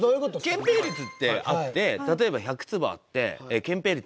建ぺい率ってあって例えば１００坪あって建ぺい率